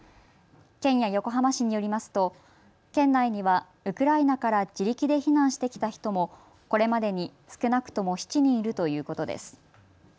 県や横浜市によりますと県内にはウクライナから自力で避難してきた人もこれまでに少なくとも７人いるということです。